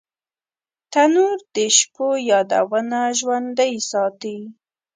تنور د شپو یادونه ژوندۍ ساتي